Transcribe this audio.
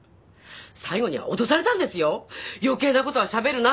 最後には脅されたんですよ「よけいなことはしゃべるな！」